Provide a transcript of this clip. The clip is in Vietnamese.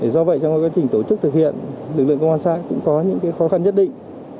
do vậy trong quá trình tổ chức thực hiện lực lượng công an xã cũng có những khó khăn nhất định